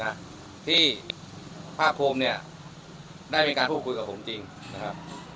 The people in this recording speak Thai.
นะที่ภาคภูมิเนี่ยได้มีการพูดคุยกับผมจริงนะครับ